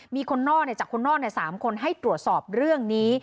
มีคนนอกจากคนนอก๓คนให้ตรวจสอบเรื่องนี้